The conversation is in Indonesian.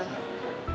engga ini salah